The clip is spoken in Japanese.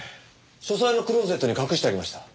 書斎のクローゼットに隠してありました。